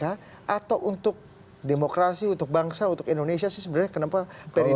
atau untuk demokrasi untuk bangsa untuk indonesia sih sebenarnya kenapa pdip